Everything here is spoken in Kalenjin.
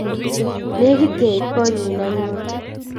Negit keit konyon anyun